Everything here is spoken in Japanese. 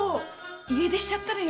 ⁉家出しちゃったのよ。